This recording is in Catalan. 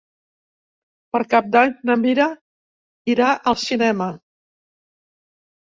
Per Cap d'Any na Mira irà al cinema.